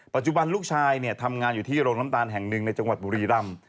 ปัจจุบันลูกชายทำงานอยู่ที่โรงน้ำตาลแห่งหนึ่งในจังหวัดบุรีรำ